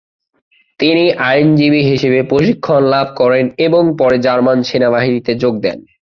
তিনি আইনজীবী হিসেবে প্রশিক্ষণ লাভ করেন এবং পরে জার্মান সেনাবাহিনীতে যোগ দেন।